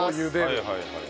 はいはいはい。